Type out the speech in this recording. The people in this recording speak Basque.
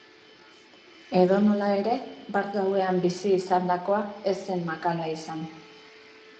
Edonola ere, bart gauean bizi izandakoa ez zen makala izan.